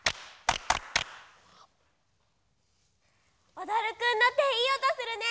おどるくんのていいおとするね！